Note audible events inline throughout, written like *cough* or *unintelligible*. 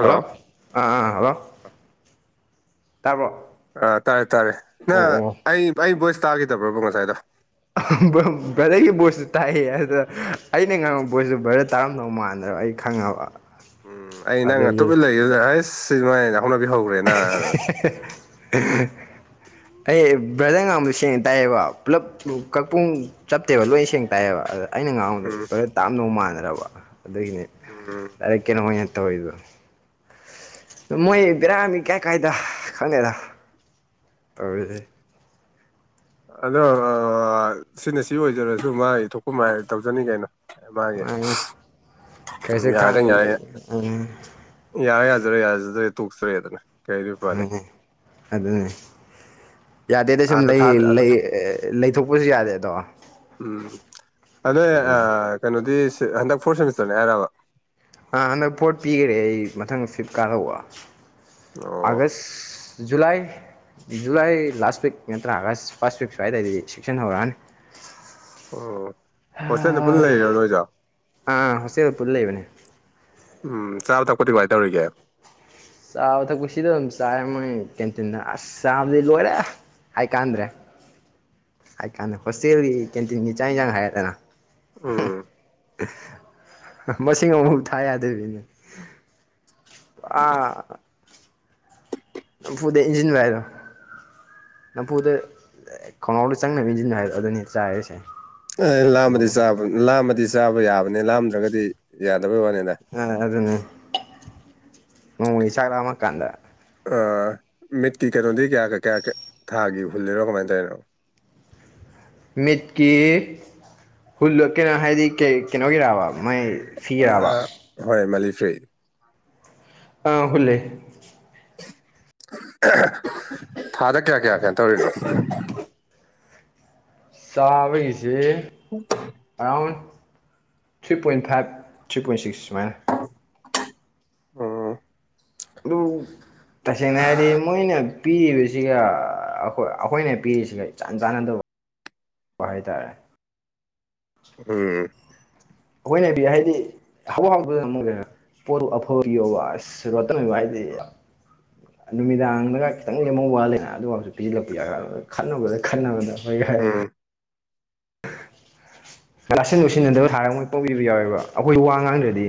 Hello ꯑꯥ hello ꯇꯥꯕ꯭ꯔꯣ ꯑꯥ ꯇꯥꯔꯦ ꯇꯥꯔꯦ ꯅꯪ ꯑꯣ ꯑꯣ ꯑꯩ ꯑꯩ ꯚꯣꯏꯁ ꯇꯥꯈꯤꯗꯕ꯭ꯔꯕ ꯉꯁꯥꯏꯗꯣ ꯚꯔꯗ꯭ꯔꯒꯤ ꯕꯣꯏꯁꯁꯨ ꯇꯥꯏꯌꯦ ꯑꯗꯨ ꯑꯩꯅ ꯉꯥꯡꯕ ꯕꯣꯏꯁꯁꯨ ꯚꯔꯗꯔ ꯇꯥꯔꯝꯗꯧ ꯃꯥꯟꯗ꯭ꯔꯕ ꯑꯩ ꯈꯪꯉꯕ ꯎꯝ ꯑꯩ ꯅꯪ ꯑꯗꯨꯒꯤ ꯇꯨꯃꯤꯟ ꯂꯩꯒꯤꯕꯥꯗꯨꯗꯥ ꯑꯩꯁ ꯁꯤꯗꯤ ꯃꯥꯏ ꯍꯧꯅꯕꯤ ꯍꯧꯈ꯭ꯔꯦꯅꯅ ꯑꯩ ꯕ꯭ꯔꯥꯗꯔ ꯉꯥꯡꯕ ꯁꯦꯡꯅ ꯇꯥꯏꯌꯦꯕ ꯄꯨꯂꯞ ꯀꯛꯄꯨꯡ ꯆꯠꯇꯦꯕ ꯂꯣꯏ ꯁꯦꯡ ꯇꯥꯏꯑꯦꯕ ꯑꯗ ꯑꯩꯅ ꯉꯥꯡꯕꯗꯨ ꯎꯝ ꯕꯗꯔ ꯇꯥꯔꯝꯗꯧ ꯃꯥꯟꯗꯔꯕ ꯑꯗꯨꯒꯤꯅꯤ ꯎꯝ ꯗꯥꯏꯔꯦꯛ ꯀꯩꯅꯣ ꯑꯣꯏꯅ ꯇꯧꯔꯤꯕ ꯑꯗꯣ ꯃꯣꯏ ꯍꯣꯏ ꯕꯦꯔꯥ ꯅꯤ ꯀꯥꯏ ꯀꯥꯏꯗ ꯈꯪꯉꯗꯦ ꯇꯧꯔꯤꯁꯦ ꯑꯗꯣ ꯁꯤꯅ ꯁꯤ ꯑꯣꯏꯖꯔꯁꯨ ꯃꯥꯒꯤ ꯊꯣꯛꯄ ꯃꯥꯏ ꯇꯧꯖꯅꯤ ꯀꯩꯅꯣ ꯃꯥꯒꯤ *unintelligible* ꯌꯥꯔꯥ ꯌꯥꯖ꯭ꯔꯦ ꯌꯥꯖꯗ꯭ꯔꯥꯒꯥ ꯇꯣꯀꯆꯥꯔꯦ ꯗꯅꯥ ꯃꯅꯦ ꯑꯗꯨꯅꯦ ꯌꯥꯗꯦꯗ ꯁꯨꯝ ꯑꯥꯗ ꯂꯩ ꯊꯥꯗ ꯑꯗ ꯂꯩ ꯂꯩꯊꯣꯛꯄꯁꯨ ꯌꯥꯗꯦ ꯑꯗꯣ ꯎꯝ ꯑꯗꯣ ꯑꯗꯨꯅꯤ ꯑꯥ ꯀꯩꯅꯣꯗꯤ ꯍꯟꯗꯛ ꯐꯣꯔ ꯁꯦꯃꯤꯁꯇꯔꯅꯦ ꯍꯥꯏꯔꯣ ꯥ ꯍꯟꯗꯛ ꯄꯣꯠ ꯄꯤꯈꯔꯦ ꯑꯩ ꯃꯊꯪ ꯐ꯭ꯂꯤꯞꯀꯥꯔꯠ ꯇꯧꯕ ꯑꯣ August July July last week ꯅꯠꯇ꯭ꯔꯥ ꯑꯥꯒꯁ ꯐꯥꯔꯁ ꯋꯤꯛ ꯁ꯭ꯋꯥꯏꯗꯏꯗꯤ ꯁꯦꯛꯁꯟ ꯍꯧꯔꯥꯅꯤ ꯑꯣ ꯍꯣꯁꯇꯦꯜꯗ ꯄꯨꯟꯅ ꯂꯩꯔ ꯅꯣꯏꯖꯨ ꯑꯥ ꯍꯣꯁꯇꯦꯜ ꯄꯨꯜ ꯂꯩꯕꯅꯦ ꯎꯝ ꯆꯥꯕ ꯊꯛꯄ ꯀꯃꯥꯏ ꯇꯧꯔꯤꯒꯦ ꯆꯥꯕ ꯊꯛꯄ ꯁꯤꯗ ꯑꯗꯨꯝ ꯆꯥꯔꯦ ꯃꯣꯏ ꯀꯦꯟꯇꯤꯟꯗ ꯑꯁ ꯆꯥꯕꯗꯤ ꯂꯣꯏꯔꯦ ꯍꯥꯏꯀꯥꯟꯗ꯭ꯔꯦ ꯍꯥꯏ ꯀꯥꯟꯗ ꯍꯣꯁꯇꯦꯜꯒꯤ ꯀꯦꯟꯇꯤꯟꯒꯤ ꯆꯥꯛ ꯌꯦꯟꯁꯥꯡ ꯍꯥꯏꯔꯗꯅ ꯎꯝ ꯃꯁꯤꯡ ꯑꯃꯨꯐꯥꯎ ꯊꯥ ꯌꯥꯗꯕꯤꯅꯦ ꯑꯥ ꯅꯝꯐꯨꯗ ꯏꯟꯖꯤꯟꯕꯥ ꯍꯥꯏꯗꯣ ꯅꯝꯐꯨꯗ ꯈꯣꯡꯒꯥꯎꯗꯣ ꯆꯪꯅꯕ ꯏꯟꯁꯤꯟꯕ ꯍꯥꯏ ꯑꯗꯨꯅꯤ ꯆꯥꯔꯤꯁꯦ ꯑꯦ ꯂꯥꯝꯃꯗꯤ ꯆꯥꯕ ꯂꯥꯝꯃꯗꯤ ꯆꯥꯕ ꯌꯥꯕꯅꯤ ꯂꯥꯝꯗ꯭ꯔꯒꯗꯤ ꯌꯥꯗꯕꯩ ꯋꯥꯅꯤꯗ ꯑꯗꯨꯅꯦ ꯅꯣꯡꯃꯒꯤ ꯆꯥꯛ ꯂꯥꯝꯃꯛꯑꯥ ꯀꯥꯟꯗ ꯑꯥ ꯃꯤꯠꯀꯤ ꯀꯩꯅꯣꯗꯤ ꯀꯌꯥ ꯀꯌꯥ ꯊꯥꯒꯤ ꯍꯨꯜꯂꯤꯔꯣ ꯀꯃꯥꯏꯅ ꯇꯧꯔꯤꯅꯣ ꯃꯤꯠꯀꯤ ꯍꯨꯜꯗꯣ ꯀꯩꯅꯣ ꯍꯥꯏꯗꯤ ꯀꯩ ꯀꯩꯅꯣꯒꯤꯔꯕꯥ ꯃꯥꯏ ꯐꯤꯔꯕ ꯑ ꯍ‌ꯣꯏ ꯝꯜꯂꯤ ꯐꫪꯤ ꯑꯥ ꯍꯨꯜꯂꯦ ꯊꯥꯗ ꯀꯌꯥ ꯀꯌꯥ ꯀꯩꯅꯣ ꯇꯧꯔꯤꯅꯣ ꯆꯥꯕꯒꯤꯁꯦ ꯎꯝ *inaudible* around three point five three point six ꯁꯨꯃꯥꯏꯅ ꯎꯝ ꯑꯗꯨ ꯇꯁꯦꯡꯅ ꯍꯥꯏꯔꯗꯤ ꯃꯣꯏꯅ ꯄꯤꯔꯤꯕꯁꯤꯒꯈꯣꯏ ꯑꯩꯈꯣꯏꯅ ꯄꯤꯔꯤꯁꯤꯒ ꯏꯆꯥꯟ ꯆꯥꯟꯅꯗꯕ ꯍꯥꯏꯇꯥꯔꯦ ꯎꯝ ꯑꯩꯈꯣꯏꯅꯕꯤ ꯍꯥꯏꯗꯤ ꯍꯋꯥ ꯍꯥꯎꯕꯗ ꯑꯃꯨꯛ ꯂꯩꯔ ꯄꯣꯠꯇꯨ ꯑꯐꯥꯕ ꯄꯤꯌꯣꯕ ꯑꯁ ꯔꯣꯇꯟ ꯑꯣꯏꯕꯥ ꯍꯥꯏꯗꯤ ꯅꯨꯃꯤꯗꯥꯡꯗꯒ ꯈꯤꯇꯪ ꯂꯦꯝꯍꯧ ꯋꯥꯠꯂꯦꯅ ꯑꯗꯨꯨꯝꯕꯁꯨ ꯄꯤꯁꯤꯜꯂꯛꯄ ꯌꯥ ꯈꯠꯅꯕꯗ ꯈꯟꯅꯕꯗ ꯃꯣꯏ ꯎꯝ ꯇꯥꯁꯤꯟ ꯎꯁꯤꯟꯅꯗꯕ ꯁꯥꯔꯒ ꯃꯣꯏ ꯄꯪꯄꯤ ꯄꯤꯕꯥ ꯌꯥꯎꯋꯦꯕ ꯑꯩꯈꯣꯏ ꯋꯥ ꯉꯥꯡꯗ꯭ꯔꯗꯤ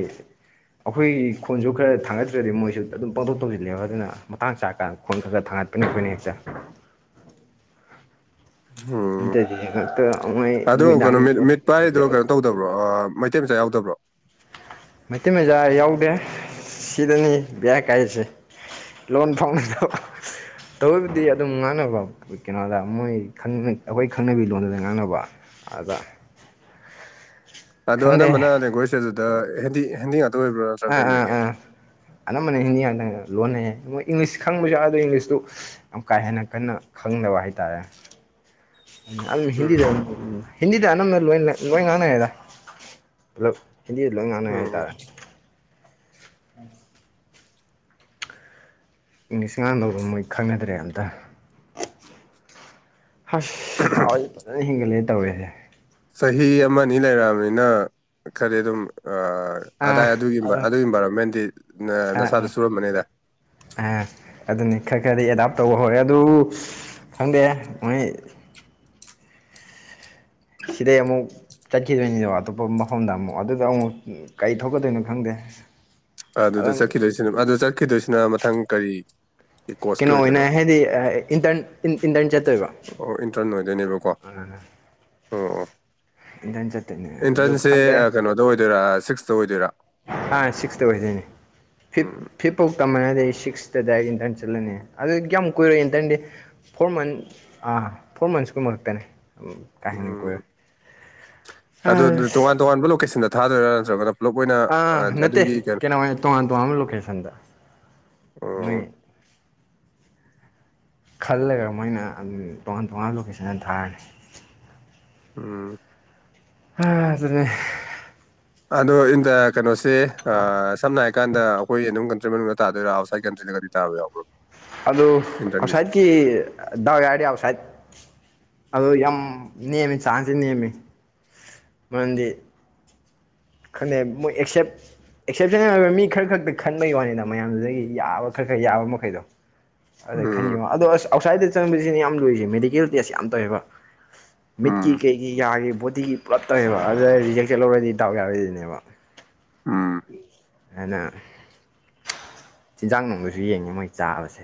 ꯑꯩꯈꯣꯏꯒꯤ ꯈꯣꯟꯁꯨ ꯈꯔ ꯊꯥꯡꯒꯠꯇ꯭ꯔꯗꯤ ꯃꯣꯏꯁꯨ ꯑꯗꯨꯝ ꯄꯥꯡꯊꯣꯛ ꯇꯧꯁꯤꯜꯂꯦꯕ ꯑꯗꯨꯅ ꯃꯇꯥꯡ ꯆꯥꯀꯥꯟꯗ ꯈꯣꯟ ꯈꯔ ꯈꯔ ꯊꯥꯡꯒꯠꯄꯅꯤ ꯑꯩꯈꯣꯏꯅ ꯍꯦꯛꯁꯦ ꯎꯝ ꯅꯇꯔ ꯗꯤ ꯉꯥꯛꯇ ꯃ‌ꯣꯏ ꯑꯗꯣ ꯀꯩꯅꯣ ꯅꯨꯃꯤꯗꯥꯉ ꯃꯤꯠ ꯄ‌ꯣꯠ *unintelligible* ꯃꯤꯠ ꯄꯥꯏꯔꯤꯗꯣ ꯀꯩꯅꯣ ꯇꯧꯗꯕ꯭ꯔꯣ ꯃꯩꯇꯩ ꯃꯆꯥ ꯌꯥꯎꯗꯕ꯭ꯔꯣ ꯃꯩꯇꯩ ꯃꯆꯥ ꯌꯥꯎꯗꯦ ꯁꯤꯗꯅꯤ ꯕꯌꯥ ꯀꯥꯏꯁꯦ ꯂꯣꯟ ꯐꯥꯎꯗꯕ ꯇꯧꯕꯕꯨꯗꯤ ꯑꯗꯨꯝ ꯉꯥꯡꯅꯕ ꯀꯩꯅꯣꯗ ꯃꯣꯏ ꯑꯩꯈꯣꯏ ꯈꯪꯅꯕꯤ ꯂꯣꯟꯗꯨꯗ ꯉꯥꯡꯅꯕ ꯑꯗ ꯑꯗꯣ ꯈꯪꯗꯦ ꯑꯅꯝꯕꯅ ꯂꯦꯡꯒ꯭ꯋꯦꯁ ꯑꯗꯨꯗ ꯍꯦꯟꯗꯤꯡ ꯍ‌ꯦꯟꯗꯤ ꯉꯥꯛꯇ ꯑꯣꯏꯕ꯭ꯔꯥ ꯑꯥ ꯑꯥ ꯑꯥ ꯑꯅꯝꯕꯅ ꯍꯤꯟꯗꯤ ꯉꯥꯛꯇꯪ ꯂꯣꯟꯅꯩ ꯃꯣꯏ ꯏꯪꯂꯤꯁ ꯈꯪꯕꯁꯨ ꯋꯥꯎ ꯑꯗꯨ ꯏꯪꯂꯤꯁꯇꯨ ꯌꯥꯝ ꯀꯥ ꯍꯦꯟꯅ ꯀꯟꯅ ꯈꯪꯗꯕ ꯍꯥꯏꯇꯥꯔꯦ ꯍꯤꯟꯗꯤꯗ ꯎꯝ ꯍꯤꯟꯗꯤꯗ ꯑꯅꯝꯕꯅ ꯂꯣꯏ ꯂꯣꯏ ꯉꯥꯡꯅꯔ‌ꯦꯗ ꯄꯨꯂꯞ ꯍꯤꯟꯗꯤꯗ ꯂꯣꯏ ꯉꯥꯡꯅꯉꯩ ꯎꯝ ꯍꯥꯏꯇꯥꯔꯦ ꯎꯝ ꯏꯪꯂꯤꯁ ꯉꯥꯡꯗꯅꯕ ꯃꯣꯏ ꯈꯪꯅꯗ꯭ꯔꯦ ꯑꯝꯇ ꯍꯁ ꯍꯥꯎꯁꯦ ꯐꯖꯅ ꯍꯦꯟꯒꯠꯂꯦ ꯇꯧꯔꯦꯁꯦ ꯆꯍꯤ ꯑꯃꯅꯤꯅꯤ ꯂꯩꯔꯛꯑꯅꯤꯅ ꯈꯗꯤ ꯑꯗꯨꯝ ꯑꯥ ꯑꯗꯥꯏ ꯑꯗꯨꯒꯤ ꯑꯗꯣ ꯑꯗꯨꯒꯤ ꯏꯟꯚꯥꯏꯔꯣꯟꯃꯦꯟꯗꯤ ꯑꯥ ꯅꯁꯥꯗ ꯑꯥ ꯁꯨꯔꯝꯕꯅꯦꯗ ꯑꯗꯨꯅꯤ ꯈꯔ ꯈꯔꯗꯤ ꯑꯦꯗꯥꯞ ꯇꯧꯕ ꯍꯧꯔꯦ ꯑꯗꯨ ꯈꯪꯗꯦ ꯃꯣꯏ ꯁꯤꯗꯩ ꯑꯃꯨꯛ ꯆꯠꯈꯤꯗꯣꯏꯅꯤꯗꯕ ꯑꯇꯣꯞꯄ ꯃꯐꯝꯗ ꯑꯃꯨꯛ ꯑꯗꯨꯗ ꯑꯃꯨꯛ ꯀꯔꯤ ꯊꯣꯛꯀꯗꯣꯏꯅꯣ ꯈꯪꯗꯦ ꯑꯗꯨꯗ ꯑꯗꯨꯝ ꯆꯠꯈꯤꯗꯣꯏꯁꯤꯅ ꯑꯗꯨ ꯆꯠꯈꯤꯗꯣꯏꯁꯤꯅ ꯃꯊꯪ ꯀꯔꯤ ꯀꯣꯔꯁꯀꯤ ꯀꯩꯅꯣ ꯑꯣꯏꯅ ꯑꯣꯏꯗꯣꯏꯅꯣ ꯍꯥꯏꯗꯤꯟꯇꯔ ꯏꯟꯇꯔꯟ ꯆꯠꯇꯣꯏꯕ ꯑꯣ ꯏꯟꯇꯔꯟ ꯑꯣꯏꯗꯣꯏꯅꯦꯕꯀꯣ ꯑꯣ ꯑꯣ ꯏꯟꯇꯔꯟ ꯆꯠꯇꯣꯏꯅꯦ ꯑꯗꯨ ꯑꯦꯟꯇ꯭ꯔꯟꯁꯁꯦ ꯈꯪꯗꯦ ꯀꯩꯅꯣꯗ ꯑꯣꯏꯗꯣꯏꯔꯥ ꯁꯤꯛꯁꯇ ꯑꯣꯏꯗꯣꯏꯔꯥ ꯑ ꯁꯤꯛꯁꯇ ꯑꯣꯏꯗꯣꯏꯅꯤ ꯐꯤꯞ ꯎꯝ ꯐꯤꯞ ꯐꯥꯎ ꯇꯝꯃꯅꯗꯤ ꯑꯩ ꯁꯤꯛꯁꯇ ꯗꯥꯏꯔꯦꯛ ꯏꯟꯇꯔꯟ ꯆꯠꯂꯅꯤ ꯑꯗꯨ ꯌꯥꯝ ꯀꯨꯏꯔꯣꯏ ꯏꯟꯇꯔꯟꯗꯤ ꯐꯣꯔ ꯃꯟꯁ ꯑꯥ ꯐꯣꯔ ꯃꯟꯁꯀꯨꯝ ꯃꯔꯛꯇꯅꯦ ꯀꯥ ꯍꯥꯏꯦꯅꯤ ꯀꯣꯏꯔꯣꯏ ꯎꯝ ꯑꯗꯨ ꯇꯣꯉꯥꯟ ꯇꯣꯉꯥꯟꯕ ꯂꯣꯀꯦꯁꯟꯗ ꯊꯥꯗꯣꯏꯔꯥ ꯅꯠꯇ꯭ꯔꯒꯅ ꯄꯨꯂꯞ ꯑꯣꯏꯅ ꯑꯥ ꯑ ꯅꯠꯇꯦ ꯑꯗꯨꯒꯤ ꯀꯩꯅꯣ ꯀꯩꯅꯃ ꯇꯣꯉꯥꯟ ꯇꯣꯉꯥꯟꯕ ꯂꯣꯀꯦꯁꯟꯗ ꯃꯣꯏ ꯑꯣ ꯈꯜꯂꯒ ꯃꯣꯏꯅ ꯑꯗꯨꯝ ꯇꯣꯉꯥꯟ ꯇꯣꯉꯥꯟꯕ ꯂꯣꯀꯦꯁꯟ ꯑꯗꯨ ꯊꯥꯔꯅꯤ ꯎꯝ ꯍꯥꯥꯔꯦ ꯑꯗꯣ ꯏꯟꯗ ꯀꯩꯅꯣꯁꯦ ꯁꯝꯅ ꯍꯥꯏ ꯀꯥꯟꯗ ꯑꯩꯈꯣꯏ ꯑꯗꯨꯝ ꯈꯟꯗ꯭ꯔ ꯇꯥꯗ ꯑꯁꯥꯏ ꯀꯟꯇꯅꯔꯤ ꯇꯥꯦ ꯑꯗꯨ ꯉꯁꯥꯏꯠꯀꯤ ꯗꯥꯋꯥ ꯌꯥꯗꯤ ꯑꯥꯎꯁꯥꯏꯠ ꯑꯗꯨ ꯌꯥꯝ ꯅꯦꯝꯃꯤ ꯆꯥꯟꯁꯦ ꯅꯦꯝꯃꯤ ꯃꯗꯤ ꯀ ꯃꯣꯏ ꯑꯦꯛꯁꯦꯞ ꯑꯦꯛꯁꯦꯞꯁꯟꯅꯜ ꯑꯣꯏꯕ ꯃꯤ ꯈꯔ ꯈꯛꯇ ꯈꯟꯕꯒꯤ ꯋꯥꯅꯤꯗ ꯃꯌꯥꯝꯗꯨꯗꯒꯤ ꯌꯥꯕ ꯈꯔ ꯈꯔ ꯌꯥꯕ ꯃꯈꯩꯗꯣ ꯑꯗ ꯎꯝ ꯈꯟꯅꯤꯕꯣ ꯑꯗꯣ ꯑꯁ ꯑꯥꯎꯠꯁꯥꯏꯗꯠꯇ ꯆꯪꯕꯁꯤꯅ ꯌꯥꯝ ꯂꯨꯔꯤꯁꯦ ꯃꯦꯗꯤꯀꯦꯜ ꯇꯦꯁ ꯌꯥꯝ ꯇꯧꯋꯦꯕ ꯃꯤꯠꯀꯤ ꯎꯝ ꯀꯩꯒꯤ ꯌꯥꯒꯤ ꯕꯣꯗꯤꯒꯤ ꯄꯨꯂꯞ ꯇꯧꯋꯦꯕ ꯑꯗꯨꯗ ꯔꯤꯖꯦꯛꯁꯦꯠ ꯂꯧꯔꯗꯤꯗꯥꯎ ꯌꯥ ꯑꯣꯏꯅꯦꯕ ꯎꯝ ꯑꯅ ꯆꯤꯟꯖꯥꯛ ꯅꯨꯡꯕꯁꯨ ꯌꯦꯡꯉꯤ ꯃꯣꯏ ꯆꯥꯕꯁꯦ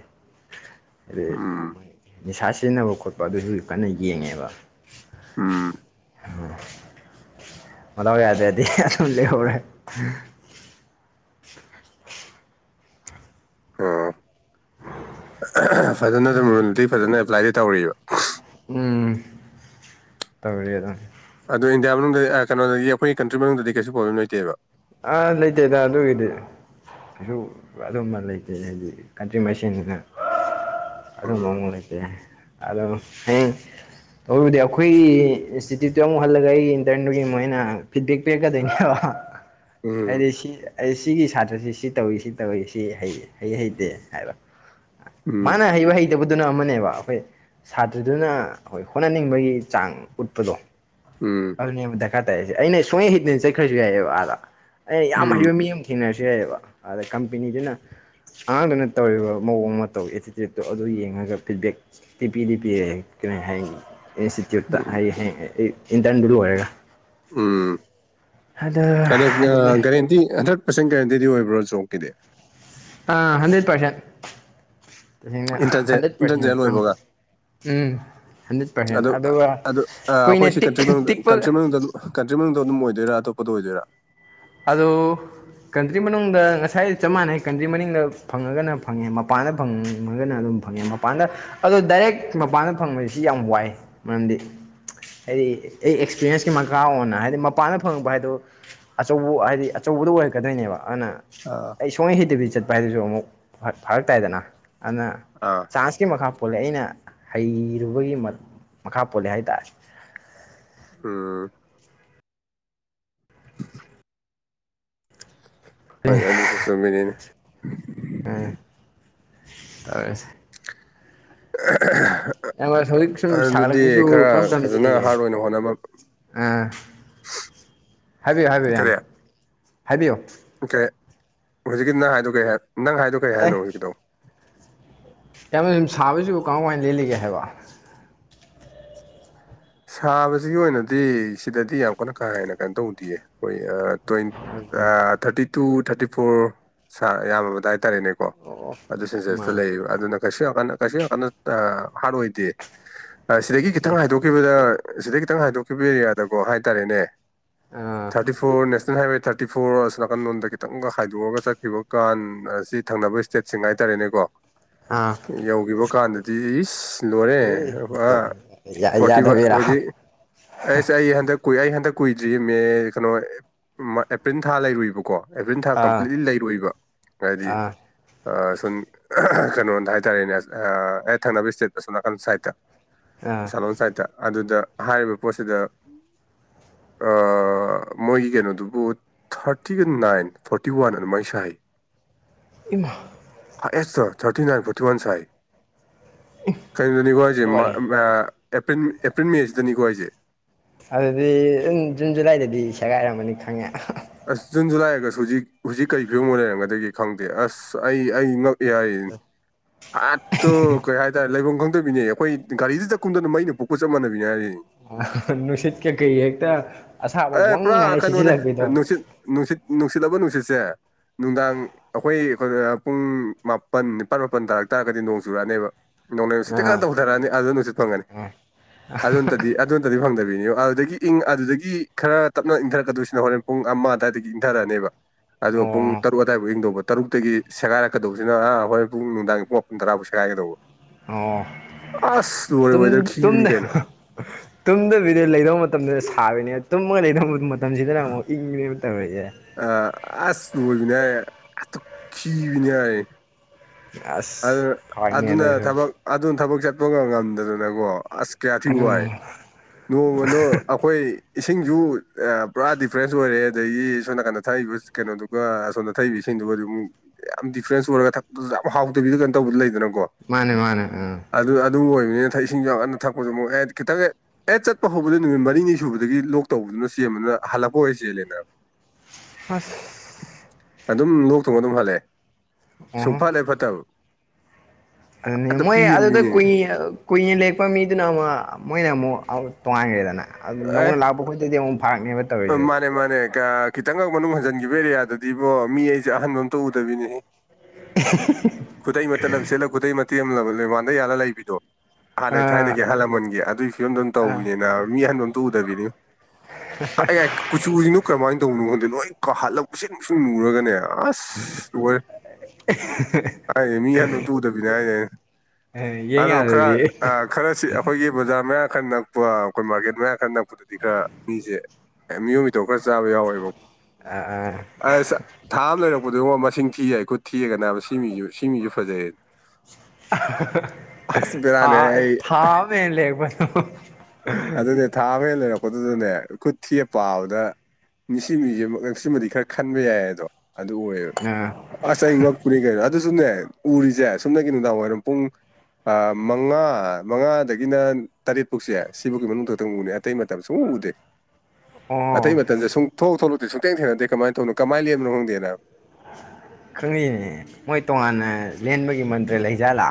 ꯑꯗꯨꯩ ꯎꯝ ꯅꯤꯁꯥ ꯁꯤꯖꯤꯟꯅꯕ ꯈꯣꯠꯄ ꯑꯗꯨꯁꯨ ꯀꯟꯅ ꯌꯦꯡꯉꯦꯕ ꯎꯝ ꯃꯂ ꯌꯥꯗꯗꯤꯟ ꯂꯩꯦ ꯈꯔꯦ *inaudible* ꯑꯣ ꯐꯖꯅ ꯑꯗꯨꯝ ꯔꯨꯜꯗꯤ ꯐꯖꯅ ꯑꯦꯄ꯭ꯂꯥꯏꯗ ꯇꯧꯔꯤꯕ ꯎꯝ ꯇꯧꯔꯤ ꯑꯗꯨꯅꯤ ꯑꯗꯣ ꯏꯟꯗꯤꯌꯥ ꯃꯅꯨꯡꯗ ꯀꯩꯅꯣꯗꯒꯤ ꯑꯩꯈꯣꯏꯒꯤ ꯀꯟꯇ꯭ꯔꯤ ꯃꯅꯨꯡꯗꯗꯤ ꯀꯩꯁꯨ ꯄ꯭ꯔꯣꯕ꯭ꯂꯦꯝ ꯂꯩꯇꯦꯕ ꯑꯥ ꯂꯩꯇꯦꯗ ꯑꯗꯨꯒꯤꯗꯤ ꯀꯩꯁꯨ ꯑꯗꯨꯝꯕ ꯂꯩꯇꯦ ꯍꯥꯏꯗꯤ ꯀꯟꯇ꯭ꯔꯤꯃꯁꯦꯟꯗꯨꯅ ꯑꯗꯨꯣ ꯎꯝ ꯃ ꯀ ꯑꯗꯣ ꯇꯕꯨꯗꯤ ꯑꯩꯈꯣꯏꯒꯤ ꯏꯟꯁꯇꯤꯇ꯭ꯌꯨꯠꯇꯨ ꯑꯃꯨꯛ ꯍꯜꯂꯒ ꯑꯩꯒꯤ ꯏꯟꯇꯔꯟꯗꯨꯒꯤ ꯃꯣꯏꯅ ꯐꯤꯠꯕꯦꯛ ꯄꯤꯔꯛꯀꯗꯣꯏꯅꯦꯕ ꯎꯝ ꯍꯥꯏꯗꯤ ꯁꯤ ꯑꯩ ꯁꯤꯒꯤ ꯁꯥꯇ꯭ꯔꯁꯤ ꯁꯤ ꯇꯧꯏ ꯁꯤ ꯇꯧꯏ ꯁꯤ ꯍꯩ ꯍꯩ ꯍꯩꯇꯦ ꯍꯥꯏꯕ ꯎꯝ ꯃꯥꯅ ꯍꯩꯕ ꯍꯩꯇꯕꯗꯨꯅ ꯑꯃꯅꯦꯕ ꯑꯩꯈꯣꯏ ꯁꯥꯇ꯭ꯔꯗꯨꯅ ꯑꯩꯈꯣꯏ ꯍꯣꯠꯅꯅꯤꯡꯕꯒꯤ ꯆꯥꯡ ꯎꯠꯄꯗꯣ ꯎꯝ ꯑꯗꯨꯅꯦꯕ ꯗꯔꯀꯥꯔ ꯇꯥꯏꯔꯤꯁꯦ ꯑꯩꯅ ꯁꯨꯡꯉꯅ ꯍꯩꯗꯅ ꯆꯠꯈ꯭ꯔꯁꯨ ꯌꯥꯏꯑꯕ ꯑꯥꯗ ꯑꯩꯅ ꯌꯥꯝ ꯎꯝ ꯍꯩꯕ ꯃꯤ ꯑꯃ ꯊꯦꯡꯅꯔꯁꯨ ꯌꯥꯏꯌꯦꯕ ꯑꯗ ꯀꯝꯄꯦꯅꯤꯗꯨꯅ ꯑꯉꯥꯡꯗꯨꯅ ꯇꯧꯔꯤꯕ ꯃꯑꯣꯡ ꯃꯇꯧ ꯑꯦꯇꯤꯇ꯭ꯌꯨꯠꯇꯣ ꯑꯗꯨ ꯌꯦꯡꯉꯒ feedback T P D P ꯍꯥꯏ *inaudible* ꯏꯟꯁꯇꯤꯇ꯭ꯌꯨꯠ ꯎꯝ ꯍꯥꯏ ꯍꯥꯏ ꯎꯝ ꯑꯗ ꯑꯗꯣ ꯑꯗꯨꯅꯦ ꯀꯔꯤ ꯍꯟ꯭ꯗꯔꯦꯠ ꯄꯔꯁꯦꯟ ꯒꯦꯔꯦꯟꯇꯗꯤ ꯑꯣꯏꯕ꯭ꯔꯥ ꯖꯣꯞꯀꯤꯗꯤ ꯑ ꯍꯟꯗ꯭ꯔꯦꯠ ꯄꯥꯔꯁꯦꯟ ꯇꯦꯡꯅ ꯏꯟꯇꯔꯟꯁꯦ ꯍꯟꯗ꯭ꯔꯦꯠ ꯏꯟꯇꯔꯟꯁꯦ ꯄꯥꯔꯁꯦꯟ ꯑ ꯂꯣꯏꯕꯒ *inaudible* ꯎꯝ ꯍꯟꯗ꯭ꯔꯦꯠ ꯄꯥꯔꯁꯦꯟ ꯑꯗꯨ ꯑꯗꯨꯒ ꯑꯗꯨ ꯑ, ꯀꯨꯏꯅ ꯑꯩꯈꯣꯏ ꯁꯤ ꯇ ꯀꯟꯇ꯭ꯔꯤ ꯃꯅꯨꯡꯗ ꯇꯤꯛꯄ ꯀꯟꯇ꯭ꯔꯤ ꯃꯅꯨꯡꯗ ꯑꯗꯨꯝ- ꯀꯟꯇ꯭ꯔꯤ ꯃꯅꯨꯡꯗ ꯑꯗꯨꯝ ꯑꯣꯏꯣꯏꯔ ꯑꯇꯣꯞꯄꯗ ꯑꯣꯏꯗꯣꯏꯔꯥ ꯑꯗꯨ ꯀꯟꯇ꯭ꯔꯤ ꯃꯅꯨꯡꯗ ꯉꯁꯥꯏ ꯆꯞ ꯃꯥꯟꯅꯩ ꯀꯟꯇ꯭ꯔꯤ ꯃꯅꯤꯡꯗ ꯐꯪꯉꯒꯅ ꯐꯪꯉꯦ ꯃꯄꯥꯟꯗ ꯐꯪꯉꯒꯅ ꯑꯗꯨꯝ ꯐꯪꯉꯦ ꯃꯄꯥꯟꯗ ꯑꯗꯣ ꯗꯥꯏꯔꯦꯛ ꯃꯄꯥꯟꯗ ꯐꯪꯕꯁꯤ ꯌꯥꯝ ꯋꯥꯏ ꯃꯔꯝꯗꯤ ꯍꯥꯏꯗꯤ ꯑꯩ ꯑꯦꯛꯁꯄꯤꯔꯤꯟꯁꯀꯤ ꯃꯈꯥ ꯑꯣꯏꯅ ꯍꯥꯏꯗꯤ ꯃꯄꯥꯟꯗ ꯐꯪꯛꯕ ꯍꯥꯏꯗꯨ ꯑꯆꯧꯕ ꯍꯥꯏꯗꯤ ꯑꯆꯧꯕꯗ ꯑꯣꯏꯔꯛꯀꯗꯣꯏꯅꯦꯕ ꯑꯗꯨꯅ ꯑꯥ ꯑꯩ ꯁꯨꯡꯍꯩ ꯍꯩꯇꯕꯤ ꯆꯠꯄ ꯍꯥꯏꯗꯨꯁꯨ ꯑꯃꯨꯛ ꯐꯔꯛꯇꯥꯏꯗꯅ ꯑꯗꯨꯅ ꯑꯥ ꯗꯥꯟꯁꯀꯤ ꯃꯈꯥ ꯄꯣꯜꯂꯦ ꯑꯩꯅ ꯍꯩꯔꯨꯕꯒꯤ ꯃꯈꯥ ꯄꯣꯜꯂꯦ ꯍꯥꯏꯇꯥꯔꯦ ꯎꯥꯝ ꯇꯦ *inaudible* ꯍꯣꯏꯅꯦ ꯑꯗꯨꯁꯨ ꯆꯨꯝꯃꯤꯅꯤꯅꯦ ꯍꯧꯖꯤꯛ ꯁꯨꯝ ꯑ *inaudible* ꯁꯥꯒꯠꯂꯛꯄꯁꯨ ꯑꯗꯨꯗꯤ ꯈꯔ ꯀꯔꯝ ꯀꯔꯝ ꯐꯖꯅ ꯆꯦꯜꯂꯤꯒꯦ ꯍꯥꯔꯠ ꯑꯣꯏꯅ ꯍꯣꯠꯅꯕ ꯑꯥ ꯍꯥꯏꯕꯤꯌꯨ ꯍꯥꯏꯕꯤꯌꯨ ꯍꯥꯏꯕꯤꯌꯣ ꯀꯩ ꯍꯧꯖꯤꯛꯀꯤ ꯅꯪ ꯍꯥꯏꯗꯣ ꯀꯩ ꯍꯥꯏ ꯅꯪ ꯍꯥꯏꯗꯣ ꯀꯩ ꯑꯦ ꯍꯥꯏꯅꯣ ꯍꯧꯖꯤꯛꯀꯤꯗꯣ ꯢꯌꯥꯝꯕ ꯑꯗꯨ ꯁꯥꯕꯁꯤꯕꯨ ꯀꯃꯥꯢ ꯀꯃꯥꯢ ꯂꯦꯜꯂꯤꯒꯦ ꯍꯥꯏꯕ ꯁꯥꯕꯁꯤꯒꯤ ꯑꯣꯏꯅꯗꯤ ꯁꯤꯗꯗꯤ ꯌꯥꯝ ꯀꯥꯟꯅ ꯀꯥ ꯍꯦꯟꯅ ꯀꯩꯅꯣ ꯇꯧꯗꯦꯌꯦ ꯑꯩꯈꯣꯏ ꯑꯥ twenty thirty two thirty four ꯁꯥ ꯌꯥꯝꯃꯕꯗ ꯍꯥꯏꯇꯥꯔꯦꯅꯦ ꯀꯣ ꯑꯣ ꯑꯣ ꯑꯗꯨ ꯁꯤꯁꯦꯁꯇ ꯃꯥꯅꯦ ꯂꯩꯕ ꯑꯗꯨꯅ ꯀꯩꯁꯨ ꯌꯥꯝꯅ ꯊꯥꯟꯅ ꯀꯩꯁꯨ ꯌꯥꯝ ꯀꯥꯟꯅ ꯍꯥꯔꯠ ꯑꯣꯏꯗꯦ ꯁꯤꯗꯒꯤ ꯑꯣꯀꯦ ꯈꯤꯇꯪ ꯍꯥꯏꯗꯣꯛ ꯊꯣꯛꯈꯤꯕꯗ ꯁꯤꯗꯩ ꯈꯤꯇꯪ ꯍꯥꯏꯗꯣꯛꯈꯤꯕ ꯑꯦꯔꯤꯌꯥꯗꯀꯣ ꯍꯥꯏꯇꯥꯔꯦꯅꯦ ꯑꯥ thirty four national highway thirty twenty four ꯑꯔꯁ ꯅꯥꯀꯟꯜꯣꯣꯟꯗ ꯈꯤꯇꯪꯒ ꯍꯥꯏꯗꯣꯛꯑꯒ ꯆꯠꯈꯤꯕ ꯀꯥꯟ ꯑꯁꯤ ꯊꯪꯅꯕ ꯁ꯭ꯇꯦꯠꯁꯤꯡ ꯍꯥꯏꯇꯥꯔꯦꯅꯦꯀꯣ *unintelligible* ꯑꯥ ꯌꯧꯈꯤꯕ ꯀꯥꯟꯗꯗꯤ ꯏꯁ ꯂꯣꯏꯔꯦ ꯑꯥ ꯐꯣꯔꯇꯤ ꯋꯥ ꯌꯥꯗꯕꯤꯔꯥ ꯍꯧꯖꯤꯛ ꯑꯩꯁ ꯑꯩ ꯍꯟꯗꯛ ꯀꯨꯏ ꯑꯩ ꯍꯟꯗꯛ ꯀꯨꯏꯗ꯭ꯔꯤ ꯃꯦ ꯀꯩꯅꯣ ꯑꯦꯄ꯭ꯔꯤꯜ ꯊꯥ ꯂꯩꯔꯨꯏꯕꯀꯣ ꯑꯦꯄ꯭ꯔꯤꯜ ꯊꯥ ꯑꯥ ꯀꯝꯄ꯭ꯂꯤꯠꯂꯤ ꯂꯩꯔꯨꯏꯕ ꯍꯥꯏꯗꯤ ꯑꯥ ꯁꯨꯝ ꯀꯩꯅꯣꯗ ꯍꯥꯏꯇꯥꯔꯦꯅꯦ ꯑꯩ ꯊꯪꯅꯕ ꯏꯁꯇꯦꯠ ꯑꯁꯣꯝ ꯅꯥꯀꯟ ꯁꯥꯏꯠꯇ ꯑꯥ ꯑꯁꯣꯝ ꯁꯥꯏꯠꯇ ꯑꯗꯨꯗ ꯍꯥꯏꯔꯤꯕ ꯄꯣꯠꯁꯤꯗ ꯃꯣꯏꯒꯤ ꯀꯩꯅꯣꯗꯨꯕꯨ ꯊꯥꯔꯇꯤꯒ ꯅꯥꯏꯟ ꯐꯣꯔꯇꯤ ꯋꯥꯟ ꯑꯗꯨꯃꯥꯏꯅ ꯁꯥꯢ ꯏꯃꯥ ꯑꯦꯁ ꯁꯣ ꯊꯔꯇꯤꯟꯅꯥꯏꯟ ꯐꯣꯔꯇꯤ ꯋꯥꯟ ꯁꯥꯥꯏ ꯀꯩꯅꯣꯗꯅꯤꯀꯣ ꯂꯣꯏꯔꯦ ꯑꯩꯁꯦꯄ꯭ꯔꯤꯜ ꯑꯦꯄ꯭ꯔꯤꯜ ꯃꯦꯁꯤꯗꯅꯤꯀꯣ ꯍꯥꯢꯁꯤ ꯑꯗꯨꯗꯤ ꯑꯗꯨꯝ ꯖꯨꯟ ꯖꯨꯂꯥꯏꯗꯗꯤ ꯁꯦꯒꯥꯏꯔꯝꯃꯅꯤ ꯈꯪꯉꯦ ꯑꯁ ꯖꯨꯟ ꯖꯨꯂꯥꯏꯔꯒꯁꯨ ꯍꯧꯖꯤꯛ ꯍꯧꯖꯤꯛ ꯀꯔꯤ ꯐꯤꯕꯝ ꯑꯃ ꯂꯩꯔꯝꯒꯗꯒꯦ ꯈꯪꯗꯦ ꯑꯁ ꯑꯩ ꯑꯩ ꯍꯦꯛꯇ ꯀꯩ ꯍꯥꯢꯅꯤ ꯍꯥꯏꯔꯦ ꯂꯩꯐꯝ ꯈꯪꯗꯕꯤꯅꯦ ꯑꯩꯈꯣꯏ ꯒꯥꯔꯤꯗꯩꯗ ꯀꯨꯝꯊꯕꯗ ꯃꯩꯅ ꯄꯣꯛꯄ ꯆꯞ ꯃꯥꯟꯅꯕꯤꯅꯤ ꯍꯥꯏꯔꯤꯅꯦ ꯅꯨꯡꯁꯤꯠ ꯀꯩ ꯀ ꯍꯦꯛꯇ ꯑꯁꯥꯕ ꯑꯦ ꯋꯪ ꯄꯨꯔꯥ ꯍꯥꯏꯔ ꯀꯩꯅꯣꯅꯦ ꯁꯤꯠꯆꯤꯜꯂꯛꯄꯤꯗꯣ ꯅꯨꯡꯁꯤꯠ ꯅꯨꯡꯁꯤꯠ ꯅꯨꯡꯁꯤꯠ ꯍꯥꯢꯕ ꯅꯨꯡꯁꯤꯠꯁꯦ ꯅꯨꯡꯗꯥꯡ ꯑꯩꯈꯣꯏ ꯄꯨꯡ ꯃꯥꯄꯟ ꯅꯤꯄꯥꯜ ꯃꯥꯄꯜ ꯇꯥꯔꯛ ꯇꯥꯔꯒꯗꯤ ꯅꯣꯡ ꯆꯨꯔꯛꯑꯅꯦꯕ ꯅꯣꯡꯂꯩ ꯅꯨꯡꯁꯤꯠꯇ ꯀꯥꯟ ꯑꯥ ꯇꯧꯊꯔꯛꯑꯅꯤ ꯑꯗꯨ ꯅꯨꯡꯁꯤꯠ ꯐꯪꯉꯅꯤ ꯑꯥ ꯑꯗꯨ ꯇꯗꯤ ꯑꯗꯨ ꯅꯇꯗꯤ ꯐꯪꯗꯕꯤꯅꯤ ꯑꯗꯨꯗꯒꯤ ꯏꯪ ꯑꯗꯨꯗꯒꯤ ꯈꯔ ꯇꯞꯅ ꯏꯟꯊꯔꯛꯀꯗꯣꯏꯁꯤꯅ ꯍꯣꯔꯦꯟ ꯄꯨꯡ ꯑꯃ ꯑꯗꯨꯋꯥꯏꯗꯒꯤ ꯏꯪꯊꯔꯛꯑꯅꯦꯕ ꯑꯗꯨꯒ ꯄꯨꯡ ꯑꯣ ꯇꯔꯨꯛ ꯑꯗꯥꯏꯐꯥꯎ ꯌꯦꯡꯗꯧꯕ ꯇꯔꯨꯛꯇꯒꯤ ꯁꯦꯥꯏꯔꯛꯀꯗꯧꯕꯁꯤꯅ ꯑꯥ ꯍꯣꯏ ꯄꯨꯡ ꯅꯨꯡꯗꯥꯡ ꯄꯨꯡ ꯃꯥꯄꯟ ꯇꯔꯥꯐꯥꯎ ꯁꯦꯒꯥꯏꯒꯗꯧꯕ ꯑꯣ ꯑꯁ ꯂꯣꯔꯦ ꯇꯨꯝ ꯋꯦꯗꯔ ꯤꯈꯤꯕꯅꯤ ꯇꯨꯝꯗ ꯀꯩꯅꯣ ꯇꯨꯝꯗꯕꯤꯗ ꯂꯩꯔꯧꯕ ꯃꯇꯝꯗꯨꯗ ꯁꯥꯕꯅꯦ ꯇꯨꯝꯃꯒ ꯂꯩꯗ ꯃꯇꯝꯁꯤꯗꯅ ꯑꯃꯨꯛ ꯏꯪꯉꯅꯦꯕ ꯎꯠꯇ ꯑꯣꯏ ꯌꯥꯦ ꯑ ꯑꯁ ꯂꯕꯣꯏꯕꯤꯅꯦꯍ ꯑꯠꯇ ꯀꯈꯤꯕꯤꯅꯦꯍꯥꯏ ꯑꯗꯨ ꯑꯁ ꯐꯥꯏꯅꯦ ꯑꯗꯨꯅ ꯑꯗꯨꯁꯨ ꯊꯕꯛ ꯑꯗꯨꯅ ꯊꯕꯛ ꯆꯠꯄꯒ ꯉꯝꯗꯗꯅꯀꯣ ꯑꯁ ꯀꯌꯥ ꯊꯤꯛ ꯋꯥꯏ ꯎꯝ ꯅꯣꯡꯃꯗ ꯑꯩꯈꯣꯏ ꯏꯁꯤꯡꯁꯨ ꯄꯨꯔꯥ ꯗꯤꯐ꯭ꯔꯦꯟꯁ ꯑꯣꯏꯔꯦ ꯑꯗꯒꯤ ꯁꯣꯝ ꯅꯥ ꯀꯥꯟꯗꯣ ꯊꯛꯏꯕ ꯀꯩꯅꯣꯗꯨꯒ ꯑꯁꯣꯗ ꯊꯩꯕꯤꯁꯤꯡꯗꯨꯒꯗꯤ ꯑꯃꯨꯛ ꯌꯥꯝ ꯗꯤꯐ꯭ꯔꯦꯟꯁ ꯑꯣꯏꯔꯒ ꯊꯛ ꯌꯥꯝ ꯍꯥꯎꯇꯕꯤꯗ ꯀꯩꯅꯣ ꯇꯧꯕꯗ ꯂꯩꯗꯅꯀꯣ ꯃꯥꯅꯦ ꯃꯥꯅꯦ ꯑ ꯑꯗꯨ ꯑꯗꯨ ꯑꯣꯏꯕꯅꯤꯅ ꯊ ꯏꯁꯤꯡ ꯌꯥꯝ ꯑꯟꯅ ꯊꯛꯄꯁꯨ ꯑꯃꯨꯛ ꯍꯦ ꯈꯤꯇꯪ ꯍꯦꯛ ꯑꯦ ꯆꯠꯄ ꯍꯧꯕꯗ ꯅꯨꯃꯤꯠ ꯃꯔꯤꯅꯤ ꯁꯨꯕꯗꯒꯤ ꯂꯣꯛ ꯇꯧꯕꯗꯨꯅ ꯆꯦꯟꯕꯗꯨꯅ ꯍꯜꯂꯛꯄ ꯑꯣꯏ ꯆꯦꯜꯂꯦꯅ ꯍꯁ ꯑꯗꯨꯝ ꯂꯣꯛ ꯊꯨꯡꯉ ꯑꯗꯨꯝ ꯍꯜꯂꯦ ꯁꯨꯡ ꯑꯣꯍꯣ ꯐꯠꯂꯦ ꯐꯠꯇꯕ ꯑꯗꯨꯅꯦ ꯑꯗ ꯃꯣꯏ ꯑꯗꯨꯗ ꯄꯤꯌꯦꯟꯕꯤꯅꯦ ꯀꯨꯏ ꯀꯨꯏꯅ ꯂꯦꯛꯄ ꯃꯤꯗꯨꯅ ꯑꯃ ꯃꯣꯏꯅ ꯑꯃꯨꯛ ꯇꯣꯉꯥꯏꯈ꯭ꯔꯦꯗꯅ ꯑꯗꯨ ꯑꯦ ꯅꯧꯅ ꯂꯥꯛꯄ ꯈꯣꯠꯇꯗꯤ ꯑꯃꯨꯛ ꯐꯥꯔꯛꯅꯦꯕ ꯃꯥꯅꯦ ꯃꯥꯅꯦ ꯈꯤꯇꯪꯒꯛ ꯃꯅꯨꯡ ꯍꯟꯖꯤꯟꯈꯤꯕ ꯑꯦꯔꯤꯌꯥꯗꯗꯤꯕꯣ ꯃꯤ ꯑꯩꯁꯦ ꯑꯍꯟꯕ ꯑꯃꯝꯇ ꯎꯗꯕꯤꯅꯦ *inaudible* ꯈꯨꯗ ꯃꯇꯜꯂꯟ ꯁꯦꯠꯂꯒ ꯈꯨꯗꯩ ꯃꯇꯦꯜ ꯑꯃꯂꯕ ꯂꯩꯕꯥꯟꯗ ꯌꯥꯔꯅ ꯂꯩꯕꯤꯗꯣ ꯍꯥꯟꯅꯩ ꯑꯥ ꯊꯥꯏꯅꯒꯤ ꯑꯍꯜ ꯂꯃꯟꯒꯤꯦ ꯑꯗꯨꯒꯤ ꯐꯤꯕꯝꯗ ꯑꯗꯨꯝ ꯑꯥ ꯇꯧꯕꯅꯤꯅ ꯃꯤ ꯑꯍꯟꯗ ꯑꯝꯇ ꯎꯗꯕꯤꯅꯤ ꯌꯥ ꯀꯨꯆꯨꯁꯤꯅꯨ ꯀꯔꯝꯍꯥꯏꯅ ꯇꯧꯅꯣꯗꯦ ꯂꯣꯏ ꯀꯥꯍꯜꯂꯛꯄ ꯁꯤ ꯁꯨꯝꯅꯨꯔꯒꯅꯦ ꯑꯥꯁ ꯑꯣꯏꯣꯏ *unintelligible* ꯍꯥꯏꯅꯦ ꯃꯤ ꯍꯟ ꯇꯨꯗꯕꯤꯅꯦ ꯍꯥꯏꯅꯦ ꯑꯦ ꯌꯦꯡ ꯑꯗꯣ ꯈꯔ ꯌꯥꯗꯗꯤ ꯈꯔꯁꯤ ꯑꯩꯈꯣꯏꯒꯤ ꯕꯖꯥꯔ ꯃꯌꯥ ꯈꯔ ꯅꯛꯄ ꯑꯩꯈꯣꯏ ꯃꯥꯔꯀꯦꯠ ꯃꯌꯥ ꯈꯔ ꯅꯛꯄꯗꯗꯤ ꯈꯔ ꯃꯤꯁꯦ ꯑꯦ ꯃꯤꯑꯣꯏ ꯃꯤꯗꯧ ꯈꯔ ꯆꯥꯕ ꯌꯥꯎꯋꯦꯕ ꯑꯥ ꯑꯥ ꯑ ꯊꯥ ꯑꯃ ꯂꯩꯔꯛꯄꯗꯨꯉꯣ ꯃꯁꯤꯡ ꯊꯤ ꯌꯥꯏ ꯑꯩ ꯈꯨꯠ ꯊꯤꯔꯒꯅꯦ ꯍꯥꯏꯕꯁꯦ ꯁꯤꯃꯤ ꯁꯤꯃꯤꯖꯨ ꯐꯖꯩ ꯑꯁ ꯊꯥ ꯕꯦꯔꯥꯅꯦ ꯑꯩ ꯊꯥ ꯃꯦꯟ ꯂꯦꯦꯛꯄꯣ ꯑꯗꯨꯗꯗꯤ ꯊꯥꯕꯦ ꯂꯩꯦ ꯂ ꯄꯠꯇꯗꯅꯦ ꯈꯨꯠ ꯊꯤꯑ ꯄꯥꯕꯗ ꯃꯤꯁꯤ ꯃꯤꯁꯦ ꯁꯤꯃꯗꯤ ꯈꯔ ꯈꯟꯕ ꯌꯥꯏ ꯑꯗꯣ ꯑꯗꯨ ꯑꯣꯏꯌꯦꯕ ꯑꯥ ꯑꯁ ꯑꯃꯛꯄꯨꯅꯤ ꯀꯩꯅꯣ ꯑꯗꯨꯁꯨꯅꯦ ꯎꯔꯤꯁꯦ ꯁꯨꯝꯅꯒꯤ ꯅꯨꯡꯗꯥꯡ ꯋꯥꯏꯔꯝ ꯄꯨꯡ ꯃꯉꯥ ꯃꯉꯥꯗꯒꯤꯅ ꯇꯔꯦꯠ ꯐꯧꯁꯦ ꯁꯤꯐꯥꯎꯒꯤ ꯃꯅꯨꯡ ꯈꯛꯇꯪ ꯎꯅꯦ ꯑꯇꯩ ꯃꯇꯝ ꯁꯨꯝ ꯎꯗꯦ *unintelligible* ꯑꯣ ꯑꯇꯩ ꯃꯇꯝꯗ ꯁꯨꯡ ꯊꯣꯛꯂ ꯊꯣꯛꯂꯛꯇꯤ ꯁꯨꯡꯦꯡ ꯊꯦꯡꯅꯦ ꯀꯃꯅꯧꯅꯣ ꯀꯃꯥꯏꯅꯦꯝꯅꯣ ꯈꯣꯡꯗꯦꯕ ꯈꯪꯉꯤꯅꯦ ꯃꯣꯏ ꯇꯣꯉꯥꯟꯅ ꯂꯦꯟꯕꯒꯤ ꯃꯟꯇ꯭ꯔ ꯂꯩꯖꯥꯠꯂꯥ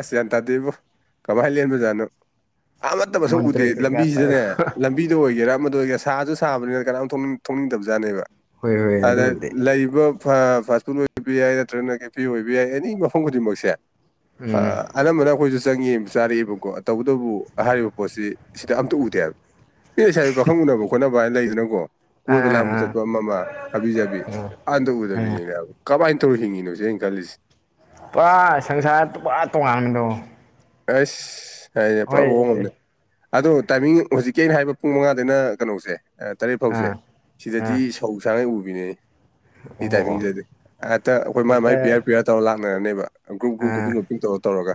ꯑꯁ ꯌꯥꯝꯟꯇꯥꯗꯕꯨ ꯀꯃꯥꯏꯅ ꯂꯦꯟꯕꯖꯥꯠꯅꯣ ꯑꯃꯠꯇ ꯃꯁꯛ ꯎꯗꯦ ꯃꯟꯇ꯭ꯔ ꯀꯩꯀꯥ ꯇꯧꯔ ꯂꯝꯕꯤꯁꯤꯗꯅꯦ ꯂꯝꯕꯤꯗ ꯑꯣꯏꯒꯦꯔꯥ ꯑꯃꯗ ꯑꯣꯏꯒꯦꯔꯥ ꯁꯥꯁꯨ ꯁꯥꯕꯅꯤꯅ ꯀꯅꯥꯝꯅꯤꯡ ꯊꯣꯡꯅꯤꯡꯗꯕꯖꯥꯠꯅꯦꯕ ꯍꯣꯏ ꯍꯣꯏ ꯑꯗ ꯑꯗꯨꯕꯨꯗꯤ ꯂꯩ ꯏꯕ ꯐꯥꯁ ꯐꯨꯗ ꯑꯣꯏꯕ ꯌꯥꯏ ꯅꯠꯇ꯭ꯔꯒꯅ ꯀꯦ ꯐꯤ ꯑꯣꯏꯕ ꯌꯥꯏ ꯑꯦꯅꯤ ꯃꯐꯝ ꯈꯨꯗꯤꯡꯃꯛꯁꯦ ꯎꯝ ꯑꯅꯝꯕꯅ ꯑꯩꯈꯣꯏꯁꯨ ꯆꯪꯉꯦꯕ ꯆꯥꯔꯛꯑꯦꯕꯀꯣ ꯇꯧꯕꯇꯕꯨ ꯍꯥꯏꯔꯤꯕ ꯄꯣꯠꯁꯤ ꯁꯤꯗ ꯑꯝꯇ ꯎꯗꯦꯕ ꯑꯦ ꯏꯁꯥ ꯄꯥꯈꯪ ꯎꯅꯕ ꯈꯣꯠꯅꯕ ꯍꯥꯏꯅ ꯂꯩꯗꯅꯀꯣ ꯀꯣꯏꯕ ꯑꯥ ꯑꯥ ꯂꯥꯡꯕ ꯆꯠꯄ ꯑꯥ ꯑꯃ ꯑꯃ ꯍꯥꯕꯤꯖꯕꯤ ꯍꯟꯗ ꯎꯝ ꯎꯗꯕꯤꯅꯤꯅꯦꯕ ꯀꯃꯥꯏꯅꯧꯔꯤ ꯍꯤꯡꯉꯤꯅꯣꯁꯦꯅ ꯈꯜꯂꯤꯁꯦ ꯄꯥ ꯁꯪꯁꯥꯔ ꯄꯨꯄꯥ ꯇꯣꯉꯥꯟꯕꯗꯣ꯫ ꯑꯁ ꯍꯥꯏꯅꯦ ꯄꯨꯔꯥ ꯍꯣꯏ ꯃꯉꫭꯟ ꯑꯃꯅꯦ꯫ ꯑꯗꯣ ꯇꯥꯏꯃꯤꯡ ꯍꯧꯖꯤꯛꯀꯤ ꯑꯩꯅ ꯍꯥꯏꯕ ꯄꯨꯡ ꯃꯉꯥꯗꯩꯅ ꯀꯩꯅꯣꯁꯦ ꯑ ꯇꯔꯦꯠ ꯐꯥꯎꯁꯦ ꯑꯥ ꯑꯥ ꯁꯤꯗꯗꯤ ꯁꯧ ꯁꯥꯡꯉꯩ ꯎꯕꯤꯅꯦ꯫ ꯁꯤ ꯑꯣ ꯑꯣ ꯇꯥꯏꯡꯁꯤꯗꯗꯤ ꯍꯦꯛꯇ ꯑꯩꯈꯣꯏ ꯍꯦꯛꯇ ꯃꯥꯏ-ꯃꯥꯏ ꯄꯤꯌꯔ-ꯄꯤꯌꯔ ꯇꯧꯔ ꯂꯥꯛꯅꯔꯅꯦꯕ꯫ ꯑꯥ ꯀꯨꯄꯤꯡ ꯋꫭꯄꯤꯡ ꯇꯧꯔ ꯇꯧꯔꯒ꯫